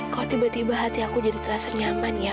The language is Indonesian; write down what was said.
kalau tiba tiba hati aku jadi terasa nyaman ya